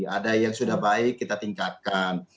ada yang sudah baik kita tingkatkan